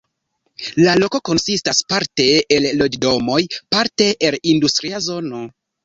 La loko konsistas parte el loĝdomoj, parte el industria zono.